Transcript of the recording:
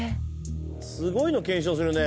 すごいの検証するね。